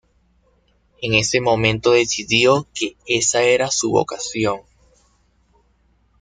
En ese momento decidió que esa era su vocación.